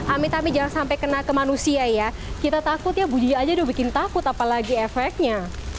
amit amit jangan sampai kena ke manusia ya kita takut ya buji aja udah bikin takut apalagi efeknya